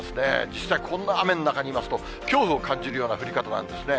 実際こんな雨の中にいますと、恐怖を感じるような降り方なんですね。